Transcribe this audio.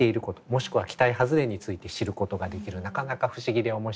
もしくは期待外れについて知ることができるなかなか不思議で面白い絵本です。